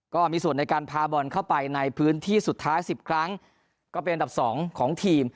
ก็มีส่วนในการพาบอลเข้าไปในพื้นที่สุดท้าย๑๐ครั้งก็เป็นอันดับ๒ของทีม